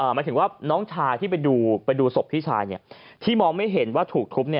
หมายถึงว่าน้องชายที่ไปดูศพพี่ชายที่มองไม่เห็นว่าถูกทุบ